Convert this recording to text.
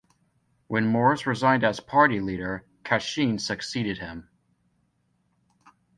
When Morris resigned as party leader Cashin succeeded him.